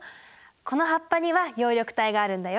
この葉っぱには葉緑体があるんだよ。